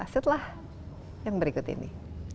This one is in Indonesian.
setelah yang berikut ini